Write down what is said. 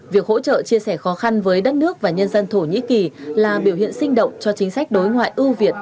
việc hỗ trợ chia sẻ khó khăn với đất nước và nhân dân thổ nhĩ kỳ là biểu hiện sinh động cho chính sách đối ngoại ưu việt